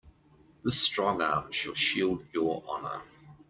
This strong arm shall shield your honor.